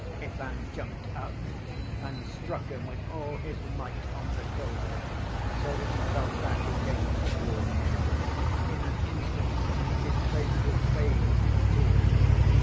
Ivan jumped up and struck him with all his might on the shoulder, so that he fell back against the wall. In an instant his face was bathed in tears.